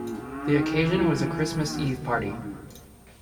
The occasion was a Christmas Eve party.